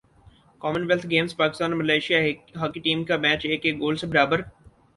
common wealth games Pakistan اور Malaysia hockey team کا match ایک ایک گول سے برابر